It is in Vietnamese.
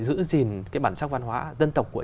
giữ gìn bản sắc văn hóa dân tộc của